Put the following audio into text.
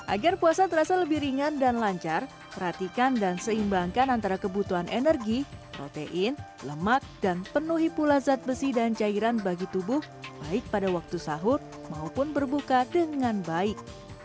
agar puasa terasa lebih ringan dan lancar perhatikan dan seimbangkan antara kebutuhan energi protein lemak dan penuhi pula zat besi dan cairan bagi tubuh baik pada waktu sahur maupun berbuka dengan baik